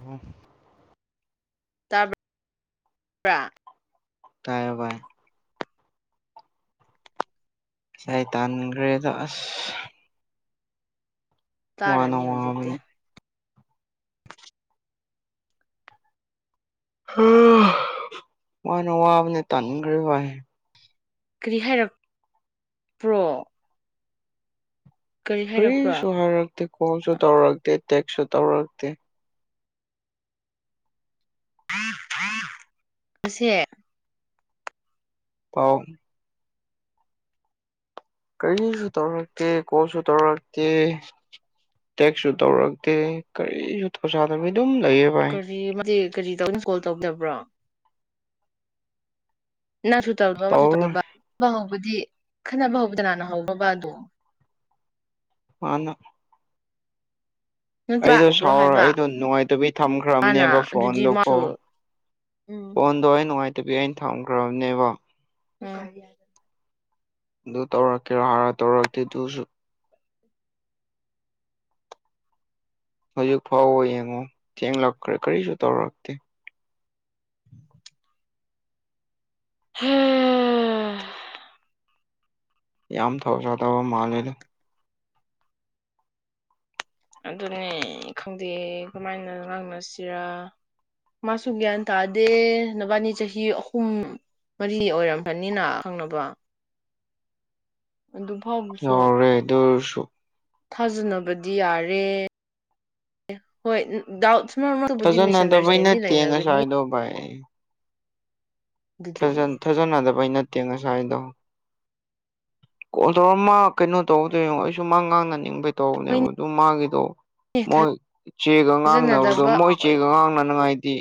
ꯑꯣ ꯇꯕ ꯕ꯭ꯔꯥ ꯇꯥꯏꯌꯦ ꯚꯥꯏ ꯚꯥꯏ ꯇꯥꯟꯈ꯭ꯔꯦꯗ ꯑꯁ ꯋꯥꯅ ꯇꯥꯔꯅꯤ ꯍꯧꯖꯤꯛꯇꯤ ꯋꯥꯕꯅꯦ ꯍꯥ ꯋꯥꯅ ꯋꯥꯕꯅꯦ ꯇꯥꯟꯒ꯭ꯔꯦ ꯚꯥꯏ ꯀꯔꯤ ꯍꯥꯏꯔꯛ ꯄ꯭ꯔꯣ ꯀꯔꯤꯁꯨ ꯍꯥꯏꯔꯛꯇꯦ ꯀꯣꯟꯁꯨ ꯇꯧꯔꯛꯇꯦ ꯇꯦꯛꯁꯁꯨ ꯇꯧꯔꯛꯇꯦ ꯑꯁꯦ ꯄꯥꯎ ꯀꯔꯤꯁꯨ ꯇꯧꯔꯛꯇꯦ ꯀꯣꯜꯁꯨ ꯇꯧꯔꯛꯇꯦ ꯇꯦꯛꯁꯨ ꯇꯧꯔꯛꯇꯦ ꯀꯔꯤꯁꯨ ꯊꯧꯁꯥꯗꯕꯤ ꯑꯗꯨꯝ ꯂꯩꯌꯦ ꯚꯥꯏ ꯀꯔꯤ ꯀꯔꯤ ꯇꯧꯅ ꯀꯣꯜ ꯇꯧꯗꯕ꯭ꯔꯣ ꯅꯪꯁꯨ ꯇꯧꯕ ꯃꯥꯁꯨ ꯇꯧꯔꯔꯣꯏ ꯇꯧꯗꯨꯕ ꯍꯧꯕꯗꯤ ꯈꯟꯅꯕ ꯍꯧꯕꯗꯤ ꯀꯥꯅꯅ ꯍꯧꯕꯕ ꯑꯗꯣ ꯃꯥꯅ ꯅꯪ ꯑꯩꯗꯣ ꯂꯥꯛꯕ꯭ꯔꯣ ꯁꯥꯎꯔ ꯍꯥꯏꯕ ꯑꯩꯗꯣ ꯅꯨꯡꯉꯥꯏꯇꯕꯤ ꯃꯥꯅ ꯊꯝꯈ꯭ꯔꯕꯅꯦꯕ ꯑꯗꯨꯗꯤ ꯐꯣꯟꯗꯣ ꯀꯣ ꯃꯥꯁꯨ ꯎꯝ ꯑꯗꯨꯒꯤ ꯑꯩꯅ ꯊꯝꯈ꯭ꯔꯕꯅꯦꯕ ꯎꯝ ꯑꯗꯨ ꯇꯧꯔꯛꯀꯦꯔꯣ ꯍꯥꯔ ꯇꯧꯔꯛꯇꯦ ꯇꯨꯁꯨ ꯍꯧꯖꯤꯛ ꯐꯥꯎꯕ ꯌꯦꯡꯉꯣ ꯊꯦꯡꯂꯛꯈ꯭ꯔꯦ ꯀꯔꯤꯁꯨ ꯇꯧꯔꯛꯇꯦ [inaudible] ꯍꯝ ꯌꯥꯝ ꯊꯧꯁꯥꯗꯕ ꯃꯥꯜꯂꯦꯗ ꯑꯗꯨꯅꯦ ꯈꯪꯗꯦ ꯀꯃꯥꯏꯅ ꯉꯥꯡꯅꯁꯤꯔꯥ ꯃꯥꯁꯨ ꯒ꯭ꯌꯥꯟ ꯇꯥꯗꯦ ꯅꯕꯥꯅꯤ ꯆꯍꯤ ꯑꯍꯨꯝ ꯃꯔꯤ ꯑꯣꯏꯔꯝꯃꯅꯤꯅ ꯈꯪꯅꯕ ꯑꯗꯨ ꯐꯥꯎꯕꯁꯨ ꯌꯧꯔꯦ ꯑꯗꯨꯏ ꯑꯣꯏꯁꯨ ꯊꯥꯖꯅꯕꯗꯤ ꯌꯥꯔꯦ ꯍꯣꯏ ꯗꯥꯎꯠ ꯃꯕꯨꯗꯤ ꯊꯥꯖꯅꯗꯕꯩ ꯃꯤꯁꯑꯟꯗꯔꯁꯇꯦꯟꯗꯤ ꯅꯠꯇꯦ ꯂꯩꯅꯒꯅꯤ ꯉꯁꯥꯏꯗꯣ ꯑꯗꯨꯗꯨꯗꯤ ꯊꯥꯖ ꯊꯥꯖꯅꯗꯕꯩ ꯅꯠꯇꯦ ꯉꯁꯥꯏꯗꯣ ꯀꯦꯟ ꯇꯧꯔ ꯃꯥ ꯀꯩꯅꯣ ꯇꯧꯕꯗꯣ ꯌꯦꯉꯣ ꯑꯩꯁꯨ ꯃꯥ ꯉꯥꯡꯅꯅꯤꯡꯕꯩ ꯇꯧꯕꯅꯦꯕ ꯍꯣꯏꯅꯦ ꯑꯗꯨ ꯃꯥꯒꯤꯗꯣ ꯃꯣꯏ ꯆꯦꯒ ꯉꯥꯡꯅꯕꯗꯣ ꯊꯥꯖꯅꯗꯕ ꯃꯣꯏ ꯆꯦꯒ ꯉꯥꯡꯅꯅꯤꯉꯥꯏꯗꯤ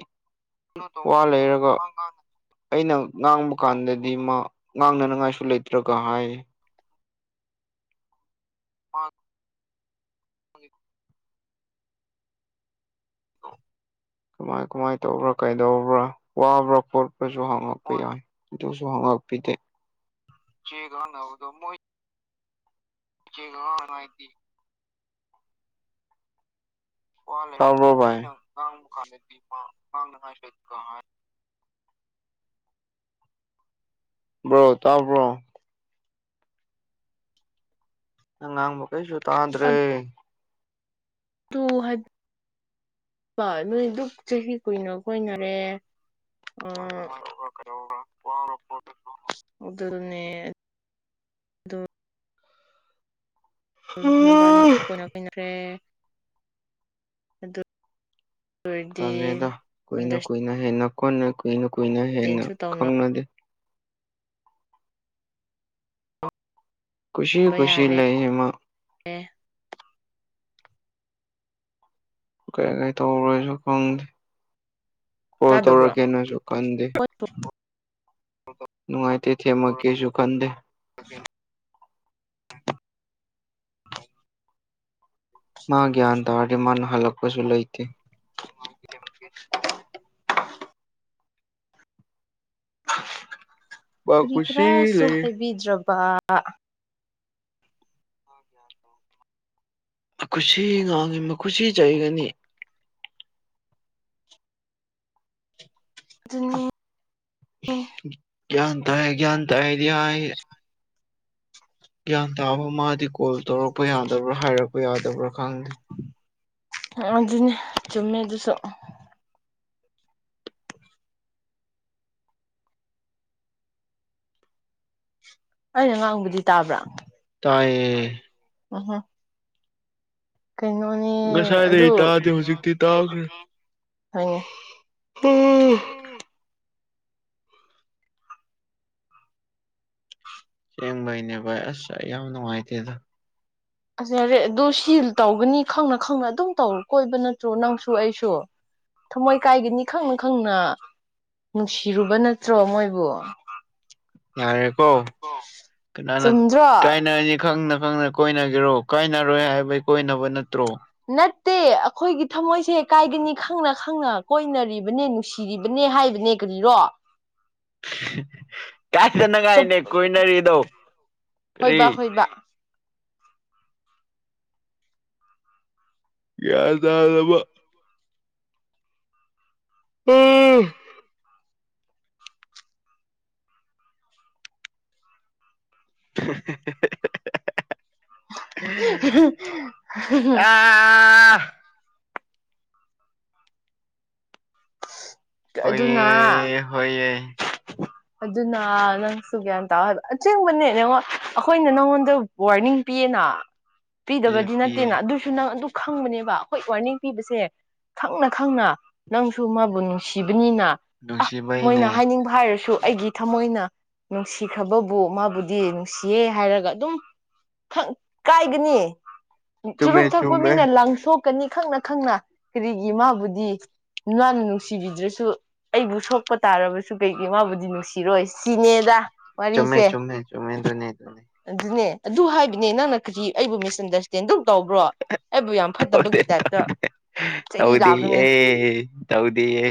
[unintelligible] ꯑꯩꯅ ꯉꯥꯡꯕ ꯀꯥꯟꯗꯗꯤ ꯃꯥ ꯉꯥꯡꯅꯅꯉꯥꯏꯁꯨ ꯂꯩꯇ꯭ꯔꯒ ꯍꯥꯏꯌꯦ [unintelligible] [inaudible] ꯀꯃꯥꯏ ꯀꯃꯥꯏ ꯇꯧꯕ꯭ꯔꯥ ꯀꯩꯗꯧꯕ꯭ꯔꯥ ꯋꯥꯕ꯭ꯔꯥ ꯈꯣꯠꯄ꯭ꯔꯥꯁꯨ ꯍꯥꯡꯉꯛꯄ ꯌꯥꯏ ꯑꯗꯨꯁꯨ ꯃꯋ ꯂꯧꯄꯤꯗꯦ ꯆꯦ ꯉꯡꯅꯕꯗꯣ ꯃꯣꯏ [unintelligible] ꯋꯥꯜꯂꯦ ꯇꯥꯕ꯭ꯔꯣ ꯚꯥꯏ ꯑꯩꯅ ꯉꯥꯡꯕ ꯀꯥꯟꯗꯗꯤ ꯃꯥ ꯉꯥꯡꯅꯉꯥꯏ ꯂꯩꯇꯦ ꯍꯥꯏ ꯕ꯭ꯔꯣ ꯇꯥꯕ꯭ꯔꯣ ꯅꯪꯅ ꯉꯥꯡꯕ ꯀꯩꯁꯨ ꯇꯥꯗ꯭ꯔꯦ ꯇꯨ ꯍꯠ ꯅꯣꯏ ꯗꯨꯛ ꯆꯍꯤ ꯀꯨꯏꯅ ꯀꯣꯏꯅꯔꯦ ꯑꯣ ꯑꯗꯨꯅꯦ ꯗꯣ [unintelligible] ꯑꯣꯏꯔꯗꯤ ꯇꯂꯦꯗ ꯀꯨꯏꯅ ꯑꯟꯗꯔꯁꯇꯦꯟꯁꯨ ꯀꯨꯏꯅ ꯍꯦꯟꯅ ꯀꯣꯏꯅꯩ ꯀꯨꯏꯅ ꯀꯨꯏꯅ ꯍꯦꯟꯅ ꯇꯧꯅꯕ ꯈꯪꯅꯗꯦ ꯀꯨꯁꯤ ꯀꯨꯁꯤ ꯌꯥꯔꯦ ꯂꯩꯌꯦ ꯃꯥ ꯀꯩ ꯀꯩ ꯇꯧꯕ꯭ꯔꯥꯁꯨ ꯈꯪꯗꯦ ꯀꯣꯜ ꯇꯥꯗꯕ꯭ꯔꯣ ꯇꯧꯔꯀꯦꯅꯁꯨ ꯈꯟꯗꯦ ꯅꯨꯡꯉꯥꯏꯇꯦ ꯊꯦꯝꯃꯛꯀꯦꯅꯁꯨ ꯈꯟꯗꯦ ꯃꯥ ꯒ꯭ꯌꯥꯟ ꯇꯥꯔꯗꯤ ꯃꯥꯅ ꯍꯜꯂꯛꯄꯁꯨ ꯂꯩꯇꯦ [unintelligible] ꯃꯥ ꯀꯔꯤ ꯀꯨꯁꯤ ꯀꯔꯥꯁꯨ ꯂꯩ ꯍꯥꯏꯕꯤꯗ꯭ꯔꯕ ꯀꯨꯁꯤꯁꯤ ꯉꯥꯡꯅꯥ ꯈꯨꯁꯤ ꯆꯩꯒꯅꯤ ꯑꯗꯨꯅꯤ ꯒ꯭ꯌꯥꯟ ꯇꯥꯏ ꯒ꯭ꯌꯥꯟ ꯇꯥꯏꯌꯦꯗꯤ ꯍꯥꯏꯌꯦ ꯒ꯭ꯌꯥꯟ ꯇꯥꯕ ꯃꯥꯗꯤ ꯀꯣꯜ ꯇꯧꯔꯛꯄ ꯌꯥꯗꯕ꯭ꯔꯥ ꯍꯥꯏꯔꯛꯄ ꯌꯥꯗꯕ꯭ꯔꯥ ꯈꯪꯗꯦ [inaudible] ꯑꯗꯨꯅꯦ ꯆꯨꯝꯃꯦ ꯑꯗꯨꯁꯨ ꯑꯩꯅ ꯉꯥꯡꯕꯗꯤ ꯇꯥꯕ꯭ꯔꯥ ꯇꯥꯏꯌꯦ ꯉꯡꯉꯣ ꯀꯩꯅꯣꯅꯦ ꯑꯗꯨ ꯉꯁꯥꯏꯗꯒꯤ ꯇꯥꯗꯦ ꯍꯧꯖꯤꯛꯇꯤ ꯇꯥꯈ꯭ꯔꯦ ꯍꯣꯏꯅꯦ ꯎꯝ ꯑꯁꯦꯡꯕꯩꯅꯦ ꯚꯥꯏ ꯑꯁ ꯑꯩ ꯌꯥꯝꯅ ꯅꯨꯡꯉꯥꯏꯇꯦꯗ ꯑꯁ ꯌꯔꯦ ꯑꯗꯨ ꯁꯤꯜ ꯇꯧꯒꯅꯤ ꯈꯪꯅ ꯈꯪꯅ ꯑꯗꯨꯝ ꯇꯧꯔ ꯀꯣꯏꯕ ꯅꯠꯇ꯭ꯔꯣ ꯅꯪꯁꯨ ꯑꯩꯁꯨ ꯊꯝꯃꯣꯏ ꯀꯥꯏꯒꯤꯅꯤ ꯈꯪꯅ ꯈꯪꯅ ꯅꯨꯡꯁꯤꯔꯨꯕ ꯅꯠꯇ꯭ꯔꯣ ꯃꯣꯏꯕꯨ ꯌꯥꯔꯦꯀꯣ ꯀꯅꯥꯅ ꯆꯨꯝꯗ꯭ꯔꯣ ꯀꯥꯏꯅꯅꯤ ꯈꯪꯅ ꯈꯪꯅ ꯀꯣꯏꯅꯒꯤꯔꯣ ꯀꯥꯏꯅꯔꯣꯏ ꯍꯥꯏꯕꯒꯤ ꯀꯣꯏꯅꯕ ꯅꯠꯇ꯭ꯔꯣ ꯅꯠꯇꯦ ꯑꯩꯈꯣꯏꯒꯤ ꯊꯃꯣꯏꯁꯦ ꯀꯥꯏꯒꯅꯤ ꯈꯪꯅ ꯈꯪꯅ ꯀꯣꯏꯅꯔꯤꯕꯅꯦ ꯅꯨꯡꯁꯤꯔꯤꯕꯅꯦ ꯅꯦ ꯍꯥꯏꯕꯅꯦ ꯀꯔꯤꯔꯣ ꯍꯦ ꯍꯦ ꯆꯨꯞ ꯀꯥꯏꯗꯅꯉꯥꯏꯅꯦ ꯀꯣꯏꯅꯔꯤꯗꯣ ꯀꯔꯤ ꯍꯣꯏꯕ ꯍꯣꯏꯕ ꯒ꯭ꯌꯥꯟ ꯇꯥꯗꯕ ꯎꯝ ꯍꯦ ꯍꯦ ꯍꯦ ꯑꯦ ꯑꯥꯑꯥꯑꯥ ꯑꯗꯨꯅ ꯍꯣꯏꯌꯦ ꯍꯣꯏꯌꯦ ꯑꯗꯨꯅ ꯅꯪꯁꯨ ꯒ꯭ꯌꯥꯟ ꯇꯥꯎꯑꯣ ꯍꯥꯏꯕ ꯑꯁꯦꯡꯕꯅꯦ ꯌꯦꯡꯉꯣ ꯑꯩꯈꯣꯏꯅ ꯅꯪꯉꯣꯟꯗ ꯋꯥꯔꯅꯤꯡ ꯄꯤ ꯄꯤꯌꯦꯅ ꯄꯤꯌꯦ ꯄꯤꯗꯕꯗꯤ ꯄꯤꯌꯦ ꯅꯠꯇꯦꯅ ꯑꯗꯨꯁꯨ ꯅꯪ ꯑꯗꯨꯛ ꯈꯪꯕꯅꯦꯕ ꯑꯩꯈꯣꯏ ꯋꯥꯔꯅꯤꯡ ꯄꯤꯕꯁꯦ ꯈꯪꯅ ꯈꯪꯅ ꯅꯪꯁꯨ ꯃꯥꯕꯨ ꯅꯨꯡꯁꯤꯕ ꯅꯤꯅ ꯑꯥ ꯃꯣꯏꯅ ꯅꯨꯡꯁꯤꯕꯩꯅꯦ ꯍꯥꯏꯅꯤꯡꯕ ꯍꯥꯏꯔꯁꯨ ꯑꯩꯒꯤ ꯊꯃꯣꯏꯅ ꯅꯨꯡꯁꯤꯈ꯭ꯔꯕꯕꯨ ꯃꯥꯕꯨꯗꯤ ꯅꯨꯡꯁꯤꯌꯦ ꯍꯥꯏꯔꯒ ꯑꯗꯨꯝ ꯈꯪ ꯀꯥꯏꯒꯅꯤ ꯆꯨꯝꯃꯦ ꯆꯨꯔꯨꯞ ꯊꯛꯄ ꯃꯤꯅ ꯆꯨꯝꯃꯦ ꯂꯪ ꯊꯣꯛ ꯀꯅꯤ ꯈꯪꯅ ꯈꯪꯅ ꯀꯔꯤꯒꯤ ꯃꯥꯕꯨꯗꯤ ꯃꯥꯅ ꯅꯨꯡꯁꯤꯕꯤꯗ꯭ꯔꯁꯨ ꯑꯩꯕꯨ ꯁꯣꯛꯄ ꯇꯥꯔꯕꯁꯨ ꯀꯩꯒꯤ ꯃꯥꯕꯨ ꯅꯨꯡꯁꯤꯔꯣꯏ ꯁꯤꯅꯦꯗ ꯆꯨꯝꯃꯦ ꯋꯥꯔꯤꯁꯦ ꯆꯨꯝꯃꯦ ꯆꯨꯝꯃꯦ ꯑꯗꯨꯅꯦ ꯑꯗꯨꯅꯦ ꯑꯗꯨꯅꯦ ꯑꯗꯨ ꯍꯥꯏꯕꯅꯦ ꯅꯪꯅ ꯀꯔꯤ ꯑꯩꯕꯨ ꯃꯤꯁꯑꯟꯗꯔꯁꯇꯦꯟ ꯗꯨꯛ ꯇꯧꯕ꯭ꯔꯣ ꯑꯩꯕꯨ ꯌꯥꯝ ꯇꯧꯗꯦ ꯐꯠꯇꯕꯒꯤ ꯇꯥꯏꯞꯇ ꯇꯧꯗꯦ ꯆꯩ ꯂꯥꯛꯀꯅꯤ ꯇꯧꯗꯤꯌꯦ ꯇꯧꯗꯤꯌꯦ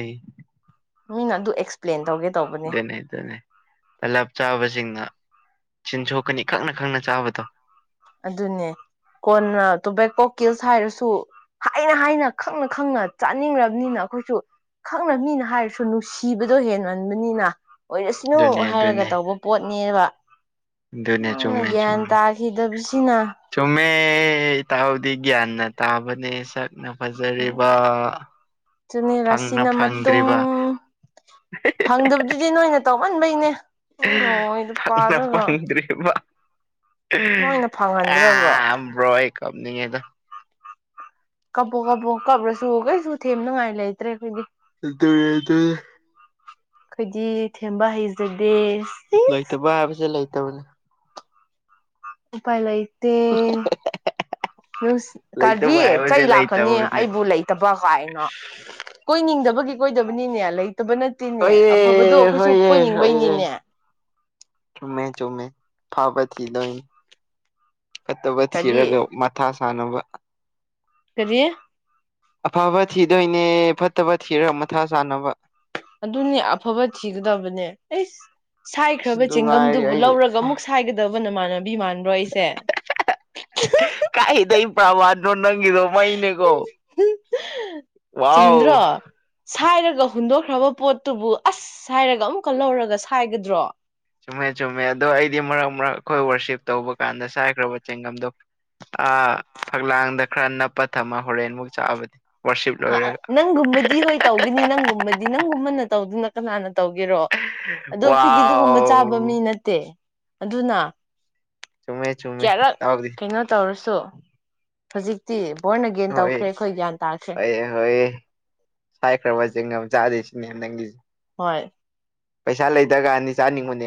ꯃꯤꯅ ꯑꯗꯨ ꯑꯦꯛꯁꯄ꯭ꯂꯦꯟ ꯇꯧꯒꯦ ꯇꯧꯕꯅꯦ ꯑꯗꯨꯅꯦ ꯑꯗꯨꯅꯦ ꯇꯂꯞ ꯆꯥꯕꯁꯤꯡꯅ ꯆꯤꯟꯁꯣꯛꯀꯅꯤ ꯈꯪꯅ ꯈꯪꯅ ꯆꯥꯕꯗꯣ ꯑꯗꯨꯅꯦ ꯀꯣꯟꯅ ꯇꯣꯕꯦꯀꯣ ꯀꯤꯜꯁ ꯍꯥꯏꯔꯁꯨ ꯍꯥꯏꯅ ꯍꯥꯏꯅ ꯈꯪꯅ ꯈꯪꯅ ꯆꯥꯅꯤꯡꯉꯕꯅꯤꯅ ꯑꯩꯈꯣꯏꯖꯨ ꯈꯪꯅ ꯃꯤꯅ ꯍꯥꯏꯔꯁꯨ ꯅꯨꯡꯁꯤꯕꯗꯣ ꯍꯦꯟꯃꯟꯕꯅꯤꯅ ꯑꯣꯏꯔꯁꯅꯨ ꯑꯗꯨꯅꯦ ꯍꯥꯏꯔꯒ ꯑꯗꯨꯅꯦ ꯇꯧꯕ ꯄꯣꯠꯅꯦꯕ ꯑꯗꯨꯅꯦ ꯅꯪꯅ ꯆꯨꯝꯃꯦ ꯒꯌ꯭ꯥꯟ ꯇꯥꯈꯤꯗꯕꯤꯁꯤꯅ ꯑꯦ ꯇꯥꯍꯧꯗꯤ ꯒ꯭ꯌꯥꯥꯟꯅ ꯇꯥꯕꯅꯦ ꯁꯛ ꯅ ꯐꯖꯔꯤꯕ ꯑꯗꯨꯅꯦ ꯐꯪꯅ ꯔꯥꯁꯤꯅ ꯃꯇꯨꯡ ꯐꯪꯗ꯭ꯔꯤꯕ ꯐꯪꯗꯕꯗꯨꯗꯤ ꯅꯣꯏꯅ ꯇꯧꯃꯟꯕꯩꯅꯦ ꯅꯣꯏ ꯂꯨꯄꯥꯗꯨꯒ ꯐꯪꯍꯟꯗ꯭ꯔꯕꯣ ꯑꯝ ꯕ꯭ꯔꯣ ꯑꯩ ꯀꯞꯅꯤꯡꯉꯦꯗ ꯀꯞꯄꯣ ꯀꯞꯄꯣ ꯀꯞꯂꯁꯨ ꯀꯩꯁꯨ ꯊꯦꯝꯅꯉꯥꯏ ꯂꯩꯇ꯭ꯔꯦ ꯑꯩꯈꯣꯏꯗꯤ [unintelligible] ꯑꯩꯗꯤ ꯊꯦꯝꯕ ꯍꯩꯖꯗꯦ ꯁꯤꯁ ꯂꯩꯇꯕ [unintelligible] ꯎꯄꯥꯥꯏ ꯂꯩꯇꯦ ꯅꯨꯡꯁꯤ ꯀꯔꯤ ꯂꯩꯇꯕ ꯆꯩ ꯍꯥꯏꯕꯁꯦ ꯂꯥꯛꯀꯅꯤ ꯂꯩꯇꯕꯅꯦ ꯑꯩꯕꯨ ꯂꯩꯇꯕ ꯀꯥꯏꯅ ꯀꯣꯏꯅꯤꯡꯗꯕꯒꯤ ꯀꯣꯏꯗꯕꯅꯤꯅꯦ ꯂꯩ ꯇꯕ ꯅꯠꯇꯦꯅꯦ ꯑꯐꯕꯗꯣ ꯍꯣꯏꯌꯦ ꯑꯩꯈꯣꯏꯁꯨ ꯍꯣꯏꯌꯦ ꯍꯣꯏꯌꯦ ꯀꯣꯏꯅꯤꯡꯕꯩꯅꯤꯅꯦ ꯆꯨꯝꯃꯦ ꯆꯨꯝꯃꯦ ꯐꯕ ꯊꯤꯗꯣꯏꯅꯤ ꯐꯠꯇꯕ ꯀꯔꯤ ꯊꯤꯔꯒ ꯃꯊꯥ ꯁꯥꯟꯅꯕ ꯀꯔꯤ ꯑꯐꯕ ꯊꯤꯗꯣꯏꯅꯦ ꯐꯠꯇꯕ ꯊꯤꯔ ꯃꯊꯥ ꯁꯥꯅꯕ ꯑꯗꯨꯅꯤ ꯑꯐꯕ ꯊꯤꯒꯗꯕꯅꯦ ꯑꯦꯁ ꯑꯁ ꯁꯥꯏꯈ꯭ꯔꯕ ꯑꯗꯨ ꯉꯥꯏꯔꯦ ꯆꯤꯡꯒꯝꯗꯨꯕꯨ ꯑꯩ ꯂꯧꯔꯒ ꯑꯃꯨꯛ ꯁꯥꯏꯒꯗꯕ ꯅꯃꯥꯟꯅ ꯕꯤꯃꯥꯟꯕ꯭ꯔꯣ ꯑꯩꯁꯦ ꯗꯣ ꯅꯪꯒꯤꯗꯣ ꯃꯩꯅꯤꯀꯣ ꯆꯨꯝꯗ꯭ꯔꯣ ꯋꯥꯎ ꯁꯥꯏꯔꯒ ꯍꯨꯟꯗꯣꯛꯈ꯭ꯔꯕ ꯄꯣꯠꯇꯨꯕꯨ ꯑꯁ ꯍꯥꯏꯔꯒ ꯑꯃꯨꯛꯀ ꯂꯧꯔꯒ ꯁꯥꯏꯒꯗ꯭ꯔꯣ ꯆꯨꯝꯃꯦ ꯆꯨꯝꯃꯦ ꯑꯗꯣ ꯑꯩꯗꯤ ꯃꯔꯛ ꯃꯔꯛ ꯈꯣꯏ ꯋꯥꯔꯁꯤꯞ ꯇꯧꯕ ꯀꯥꯟꯗ ꯁꯥꯏꯈ꯭ꯔꯕ ꯆꯦꯡꯒꯝꯗꯣ ꯑꯥ ꯐꯛꯂꯥꯡꯗ ꯈꯔ ꯅꯞꯄ ꯊꯝꯃ ꯍꯣꯔꯦꯟ ꯃꯨꯛ ꯆꯥꯕꯗꯤ ꯅꯪꯒꯨꯝꯕꯗꯤ ꯍꯣꯏ ꯇꯧꯒꯅꯤ ꯅꯪꯒꯨꯝꯕꯗꯤ ꯅꯪꯒꯨꯝꯕꯅ ꯇꯧꯗꯅ ꯀꯅꯥꯅ ꯇꯧꯒꯦꯔꯣ ꯑꯗꯣ ꯑꯩꯈꯣꯏꯗꯤ ꯑꯗꯨꯒꯨꯝꯕ ꯆꯥꯕ ꯋꯥꯎ ꯃꯤ ꯅꯠꯇꯦ ꯑꯗꯨꯅ ꯆꯨꯝꯃꯦ ꯆꯨꯝꯃꯦ ꯀꯌꯥꯔꯛ ꯏꯇꯥꯎꯗꯤ ꯀꯩꯅꯣ ꯇꯧꯔꯁ ꯁꯨ ꯍꯧꯖꯤꯛꯇꯤ ꯕꯣꯔꯟ ꯑꯒꯦꯟ ꯇꯧꯈ꯭ꯔꯦ ꯑꯩꯈꯣꯏ ꯒ꯭ꯌꯥꯟ ꯇꯥꯈ꯭ꯔꯦ ꯍꯣꯏ ꯁꯥꯏꯈ꯭ꯔꯕ ꯆꯦꯡꯒꯝ ꯆꯥꯗꯣꯏꯁꯤꯅꯦ ꯅꯪꯒꯤ ꯍꯣꯏ ꯄꯩꯁꯥ ꯂꯩꯇꯔ ꯀꯥꯟꯗꯗꯤ ꯆꯥꯅꯤꯡꯕꯅꯦ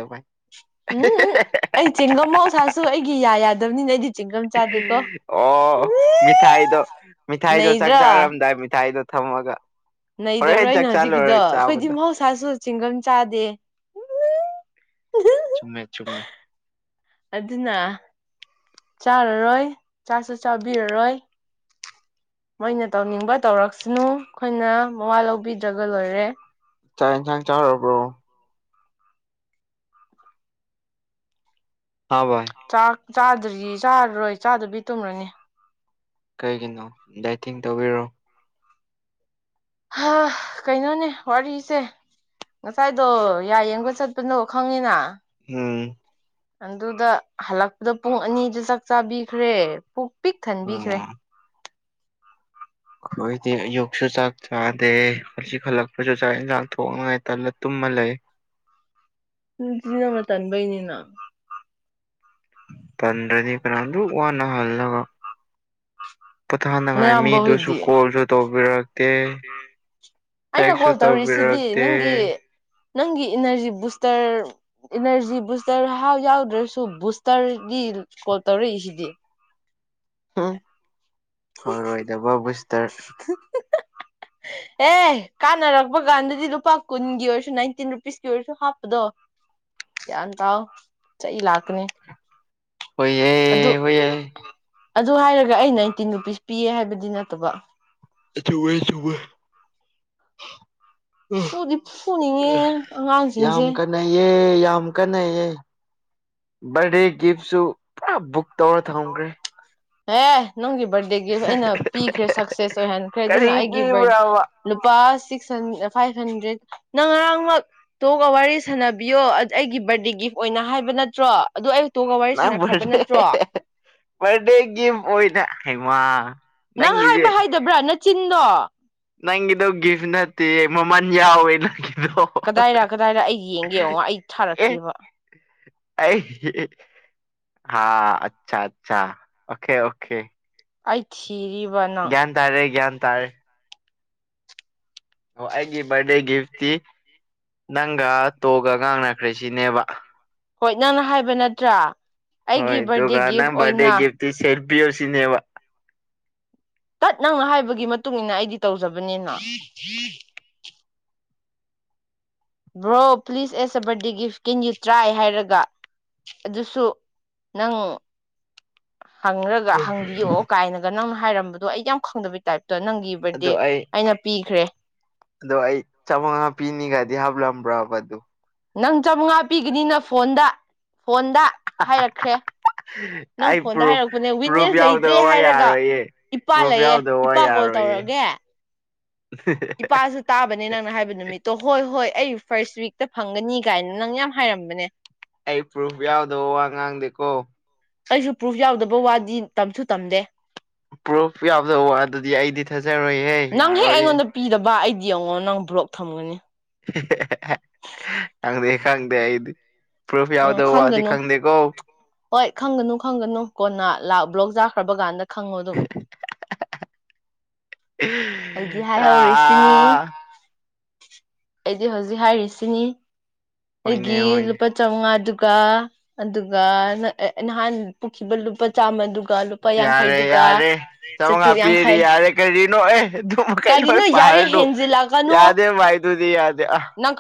ꯎꯝ ꯎ ꯑꯩ ꯆꯦꯡꯒꯝ ꯑꯣꯁꯥꯁꯨ ꯑꯩꯒꯤ ꯌꯥ ꯌꯥꯗꯕꯅꯤꯅ ꯑꯩꯗꯤ ꯆꯦꯡꯒꯝ ꯆꯥꯗꯦꯀꯣ ꯑꯣ ꯃꯤꯊꯥꯏꯗꯣ ꯃꯤꯊꯥꯏꯗꯣ ꯆꯥꯛ ꯅꯩꯗ꯭ꯔꯥ ꯆꯥꯔꯝꯗꯥꯏ ꯃꯤꯊꯥꯏꯗꯣ ꯊꯝ ꯃꯒ ꯅꯩꯗꯕꯔꯣꯏ ꯑꯩꯅ ꯍꯧꯖꯤꯛꯀꯤ ꯑꯩꯈꯣꯏ ꯗꯤ ꯃꯍꯧꯁ ꯆꯤꯡꯒꯝ ꯆꯥꯗꯦ ꯆꯨꯝꯃꯦ ꯆꯨꯝꯃꯦ ꯑꯗꯨꯅ ꯆꯥꯔꯔꯣꯏ ꯆꯥꯁꯨ ꯆꯥꯕꯤꯔꯔꯣꯏ ꯃꯣꯏꯅ ꯇꯧꯅꯤꯡꯕ ꯇꯧꯔꯛꯁꯅꯨ ꯑꯩꯈꯣꯏꯅ ꯃꯋꯥ ꯂꯧꯕꯤꯗ꯭ꯔꯒ ꯂꯣꯏꯔꯦ ꯆꯥꯛ ꯌꯦꯟꯁꯥꯡ ꯆꯥꯔꯕ꯭ꯔꯣ ꯍꯥ ꯚꯥꯏ ꯆꯥꯛ ꯆꯥꯗ꯭ꯔꯤ ꯆꯥꯔꯔꯣꯏ ꯆꯥꯗꯕꯤ ꯇꯨꯝꯔꯅꯤ ꯀꯩꯒꯤꯅꯣ ꯗꯥꯏꯇꯤꯡ ꯇꯧꯔꯤꯔꯣ ꯍꯥ ꯀꯩꯅꯣꯅꯦ ꯋꯥꯔꯤꯁꯦ ꯉꯁꯥꯏꯗꯣ ꯌꯥ ꯌꯦꯡꯕ ꯆꯠꯄꯅꯣ ꯈꯪꯉꯤꯅ ꯎꯝ ꯑꯗꯨꯗ ꯍꯜꯂꯛꯄꯗ ꯄꯨꯡ ꯑꯅꯤꯗ ꯆꯥꯛ ꯆꯥꯕꯤꯈ꯭ꯔꯦ ꯄꯨꯛ ꯄꯤꯛ ꯑꯣ ꯊꯟꯕꯤꯈ꯭ꯔꯦ ꯑꯩꯈꯣꯏꯗꯤ ꯑꯌꯨꯛꯁꯨ ꯆꯥꯛ ꯆꯥꯗꯦ ꯍꯧꯖꯤꯛ ꯈꯜꯂꯛꯄꯁꯨ ꯆꯥꯛ ꯌꯦꯟꯁꯥꯡ ꯊꯣꯡꯅꯉꯥꯏ ꯇꯨꯝ ꯃ ꯂꯩ ꯅꯪꯖꯨ ꯑꯗꯨ ꯌꯧꯅ ꯇꯟꯕꯩꯅꯤꯅ ꯑꯉꯣ ꯄꯣꯊꯥꯅꯉꯥꯏ ꯅꯌꯥꯝꯕ ꯃꯤꯗꯨꯁꯨ ꯍꯣꯏꯗꯤ ꯀꯣꯜꯁꯨ ꯇꯧꯕꯤꯔꯛꯇꯦ ꯑꯩꯅ ꯇꯦꯛꯁꯨ ꯀꯣꯜ ꯇꯧꯔꯤꯁꯤꯗꯤ ꯇꯧꯕꯤꯔꯛꯇꯦ ꯅꯪꯒꯤ ꯅꯪꯒꯤ ꯏꯅꯔꯖꯤ ꯕꯨꯁꯇꯔ ꯏꯅꯔꯖꯤ ꯕꯨꯁꯇꯔ ꯍꯥ ꯌꯥꯎꯗ꯭ꯔꯁꯨ ꯕꯨꯁꯇꯔꯒꯤ ꯀꯣꯜ ꯇꯧꯔꯛ ꯏꯁꯤꯗꯤ ꯍꯣꯏ ꯑꯣꯢꯔꯣꯏꯗꯕ ꯕꯨꯁꯇꯔ [inaudible] ꯑꯦ ꯀꯥꯟꯅꯔꯛꯄ ꯀꯥꯟꯗꯗꯤ ꯂꯨꯄꯥ ꯀꯨꯟꯒꯤ ꯑꯣꯏꯔꯁꯨ ꯅꯥꯏꯟꯇꯤꯟ ꯔꯨꯄꯤꯁꯀꯤ ꯑꯣꯏꯔꯁꯨ ꯍꯥꯞꯄꯗꯣ ꯒ꯭ꯌꯥꯟ ꯇꯥꯎ ꯆꯩ ꯂꯥꯛꯀꯅꯤ ꯍꯣꯢꯌꯦ ꯑꯗꯨ ꯑꯣꯏꯌꯦ ꯑꯗꯨ ꯍꯥꯏꯔꯒ ꯑꯩ ꯅꯥꯏꯟꯇꯤꯟ ꯔꯨꯄꯤꯁ ꯄꯤꯌꯦ ꯍꯥꯏꯕꯗꯤ ꯅꯠꯇꯕ ꯆꯨꯝꯃꯦ ꯆꯨꯝꯃꯦ ꯎ ꯐꯨꯗꯤ ꯐꯨꯅꯤꯡꯉꯦ ꯍꯥ ꯌꯥꯝ ꯑꯉꯥꯡꯁꯤꯡꯁꯦ ꯀꯥꯟꯅꯩꯌꯦ ꯌꯥꯝ ꯌꯥꯝ ꯀꯟꯅꯩꯌꯦ ꯕꯥꯔꯗꯦ ꯒꯤꯐꯁꯨ ꯄꯨꯔꯥ ꯕꯨꯛ ꯇꯧꯔ ꯊꯝꯈ꯭ꯔꯦ ꯑꯦ ꯅꯪꯒꯤ ꯕꯥꯔꯠꯗꯦ ꯒꯤꯐ ꯑꯩꯅ ꯄꯤꯈ꯭ꯔꯦ ꯁꯛꯁꯦꯁ ꯑꯣꯏꯍꯟꯈ꯭ꯔꯦ ꯀꯔꯤ ꯑꯗꯨꯅ ꯑꯩꯒꯤ ꯕꯥꯔ ꯄꯤꯕ꯭ꯔꯕ ꯂꯨꯄꯥ ꯁꯤꯛꯍꯟ ꯐꯥꯏꯚ ꯍꯟꯗ꯭ꯔꯦꯠ ꯅꯪ ꯉꯔꯥꯡꯃꯛ ꯇꯣꯛꯑꯒ ꯋꯥꯔꯤ ꯁꯥꯟꯅꯕꯤꯌꯣ ꯑꯩꯒꯤ ꯕꯥꯔꯗꯦꯒꯤ ꯑꯣꯏꯅ ꯍꯥꯏꯕ ꯅꯠꯇ꯭ꯔꯣ ꯑꯗꯨ ꯑꯩ ꯇꯣꯒ ꯋꯥꯔꯤ ꯅꯪ ꯁꯥꯟꯅꯈ꯭ꯔꯕ ꯕꯥꯔꯗꯦ ꯅꯠꯇ꯭ꯔꯣ ꯕꯥꯔꯗꯦ ꯒꯤꯐ ꯑꯣꯏꯅ ꯍꯥꯏꯃ ꯅꯪ ꯍꯥꯏꯕ ꯍꯥꯏꯗꯕ꯭ꯔꯥ ꯅꯆꯤꯟꯗꯣ ꯅꯪꯒꯤꯗꯣ ꯒꯤꯐ ꯅꯠꯇꯦ ꯃꯃꯜ ꯌꯥꯎꯋꯦ ꯅꯪꯒꯤ ꯀꯗꯥꯏꯔ ꯀꯗꯥꯏꯔ ꯑꯩ ꯌꯦꯡꯒꯦ ꯌꯦꯡꯉꯣ ꯑꯩ ꯑꯦ ꯊꯥꯔꯛꯀꯦꯕ ꯑꯩ ꯍꯤꯍꯤ ꯍꯤ ꯑꯆꯥ ꯑꯆꯥ ꯑꯣꯀꯦ ꯑꯣꯀꯦ ꯑꯩꯥ ꯊꯤ ꯒ꯭ꯌꯥꯟ ꯇꯥꯔꯦ ꯒ꯭ꯌꯥꯟ ꯇꯥꯔꯦ ꯑꯣ ꯑꯩꯒꯤ ꯕꯥꯠꯗꯦ ꯒꯤꯐꯇꯤ ꯅꯪꯒ ꯇꯣꯒ ꯉꯥꯡꯅꯈ꯭ꯔꯦ ꯁꯤꯅꯦꯕ ꯍꯣꯏ ꯅꯪꯅ ꯍꯥꯏꯕ ꯅꯠꯇ꯭ꯔꯥ ꯍꯣꯏ ꯑꯩꯒꯤ ꯕꯥꯔꯗꯦ ꯑꯗꯨꯒ ꯅꯪ ꯒꯤꯐ ꯕꯥꯠꯗꯦ ꯑꯣꯏꯅ ꯒꯤꯞꯇꯤ ꯁꯦꯝꯕꯤꯌꯣ ꯁꯤꯅꯦꯕ ꯇꯠ ꯅꯪꯅ ꯍꯥꯏꯕꯒꯤ ꯃꯇꯨꯡ ꯏꯟꯅ ꯑꯩꯗꯤ ꯇꯧꯖꯕꯅꯤꯅ [inaudible] bro please as a birthday gift gift can you try ꯍꯥꯏꯔꯒ ꯑꯗꯨꯁꯨ ꯅꯪ ꯍꯪꯔꯒ ꯍꯪꯕꯤꯌꯣ ꯀꯥꯏꯅꯒ ꯅꯪꯅ ꯍꯥꯏꯔꯝꯕꯗꯣ ꯑꯩ ꯌꯥꯝ ꯈꯪꯗꯕꯩ ꯇꯥꯏꯞ ꯗ ꯅꯪꯒꯤ ꯕꯔꯗꯦ ꯑꯗꯣ ꯑꯩ ꯑꯩꯅ ꯄꯤꯈ꯭ꯔꯦ ꯑꯗꯣ ꯑꯩ ꯆꯥꯃꯉꯥ ꯄꯤꯅꯤꯒꯥꯏꯗꯤ ꯍꯥꯞꯂꯝꯕ꯭ꯔꯕ ꯑꯗꯣ ꯅꯪ ꯆꯥꯃꯉꯥ ꯄꯤꯒꯅꯤꯅ ꯐꯣꯟꯗ ꯐꯣꯟꯗ ꯍꯥꯏꯔꯛꯈ꯭ꯔꯦ ꯅꯪ ꯑꯩ ꯐꯣꯟꯗ ꯄ꯭ꯔꯨꯐ ꯍꯥꯏꯔꯛꯄꯅꯦ ꯄ꯭ꯔꯨꯐ ꯋꯤꯠꯅꯦꯁ ꯂꯩꯇ꯭ꯔꯦ ꯌꯥꯎꯗꯕ ꯋꯥ ꯍꯥꯏꯔꯒ ꯌꯥꯔꯣꯏꯌꯦ ꯏꯄꯥ ꯄ꯭ꯔꯨꯐ ꯂꯩꯌꯦ ꯌꯥꯎꯗꯕ ꯋꯥ ꯏꯄꯥ ꯀꯣꯜ ꯌꯥꯔꯣꯏꯌꯦ ꯇꯧꯔꯑꯒꯦ ꯏꯄꯥꯁꯨ ꯇꯥꯕꯅꯦ ꯅꯪꯅ ꯍꯥꯏꯕ ꯅꯨꯃꯤꯠꯇꯣ ꯍꯣꯏ ꯍꯣꯏ ꯑꯩ ꯐꯔꯁ ꯋꯤꯛꯇ ꯐꯪꯒꯅꯤ ꯀꯥꯏꯅ ꯅꯪ ꯌꯥꯝ ꯍꯥꯏꯔꯝꯕꯅꯦ ꯑꯩ ꯄ꯭ꯔꯨꯐ ꯌꯥꯎꯗꯕ ꯋꯥ ꯉꯥꯡꯗꯦꯀꯣ ꯑꯩꯖꯨ ꯄ꯭ꯔꯨꯐ ꯌꯥꯎꯗꯕ ꯋꯥꯗꯤ ꯇꯝꯁꯨ ꯇꯝꯗꯦ ꯄ꯭ꯔꯨꯐ ꯌꯥꯎꯗꯕ ꯋꯥ ꯗꯨꯗꯤ ꯑꯩꯗꯤ ꯊꯥꯖꯔꯣꯏꯍꯦ ꯅꯪ ꯍꯦꯛ ꯌꯥꯔꯣꯏꯍꯦ ꯑꯩꯉꯣꯟꯗ ꯄꯤꯗꯕ ꯑꯩꯗꯤ ꯌꯦꯡꯉꯣ ꯅꯪ ꯕ꯭ꯂꯣꯛ ꯊꯝꯒꯅꯤ ꯍꯦ ꯍꯦ ꯍꯦ ꯈꯪꯗꯦ ꯈꯪꯗꯦ ꯑꯩꯗꯤ ꯄ꯭ꯔꯨꯐ ꯎꯝ ꯌꯥꯎꯗ ꯋꯥꯗꯤ ꯈꯪꯒꯅꯨ ꯈꯪꯗꯦꯀꯣ ꯍꯣꯏ ꯈꯪꯒꯅꯨ ꯈꯪꯒꯅꯨ ꯀꯣꯟꯅ ꯂꯥ ꯕ꯭ꯂꯣꯛ ꯆꯥꯈ꯭ꯔꯕ ꯀꯥꯟꯗ ꯈꯪꯉꯣ ꯑꯗꯨꯝ ꯑꯩꯗꯤ ꯍꯥꯏꯍꯧꯔꯤꯁꯤꯅꯤ ꯑ ꯑꯩꯗꯤ ꯍꯧꯖꯤꯛ ꯍꯥꯏꯔꯤꯁꯤꯅꯤ ꯑꯩꯒꯤ ꯍꯣꯏꯅꯦ ꯍꯣꯏꯅꯦ ꯂꯨꯄ ꯉꯥꯗꯨꯒ ꯑꯗꯨꯒ ꯅ ꯑ ꯅꯍꯥꯟ ꯄꯨꯈꯤꯕ ꯂꯨꯄꯥ ꯆꯥꯝꯃꯗꯨ ꯌꯥꯔꯦ ꯌꯥꯔꯦ ꯆꯃꯉꯥ ꯆꯥꯇ꯭ꯔꯨꯛ ꯄꯤꯔꯗꯤ ꯌꯥꯡꯈꯩ ꯌꯥꯔꯦ ꯀꯔꯤꯅꯣ ꯑꯦ ꯗꯨꯕꯣ ꯀꯩ ꯂꯣꯏ ꯀꯔꯤꯅꯣ ꯄꯥ ꯌꯥꯔꯦ ꯗꯨ ꯍꯦꯟꯖꯤꯜꯂꯛꯀꯅꯣ ꯌꯥꯗꯦ ꯃꯥꯥꯏꯗꯨꯗꯤ ꯌꯥꯗꯦ ꯑꯥ ꯅꯪ ꯀꯔꯤ